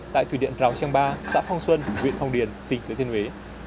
tại thủy điện rào trang ba xã phong xuân huyện thông điền tỉnh lê thiên huế